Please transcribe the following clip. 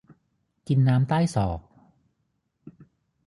กินน้ำใต้ศอก